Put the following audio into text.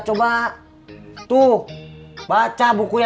nenek udahan ya